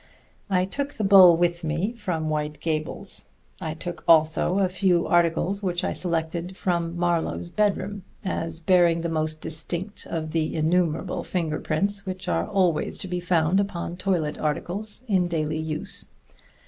I took the bowl with me from White Gables. I took also a few articles which I selected from Marlowe's bedroom, as bearing the most distinct of the innumerable finger prints which are always to be found upon toilet articles in daily use.